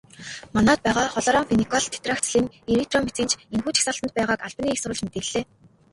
Манайд байгаа хлорамфеникол, тетрациклин, эритромицин ч энэхүү жагсаалтад байгааг албаны эх сурвалж мэдээллээ.